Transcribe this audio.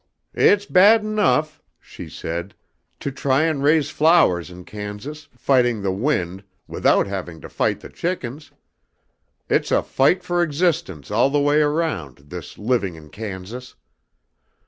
"It's bad enough," she said, "to try and raise flowers in Kansas, fighting the wind, without having to fight the chickens. It's a fight for existence all the way round, this living in Kansas."